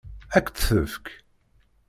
Ad k-tt-tefk?